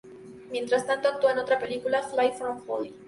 Mientras tanto actuó en otra película, "Flight from Folly".